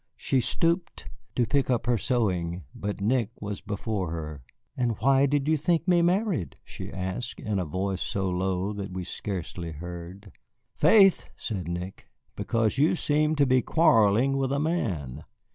She stooped to pick up her sewing, but Nick was before her. "And why did you think me married?" she asked in a voice so low that we scarcely heard. "Faith," said Nick, "because you seemed to be quarrelling with a man."